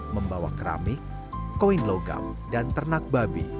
membawa keramik koin logam dan ternak babi